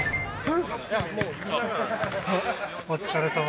お疲れさま。